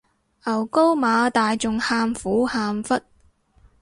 牛高馬大仲喊苦喊忽